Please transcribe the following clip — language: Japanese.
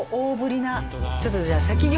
ちょっとじゃあ先に。